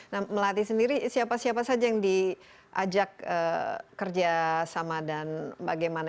nah melati sendiri siapa siapa saja yang diajak kerjasama dan bagaimana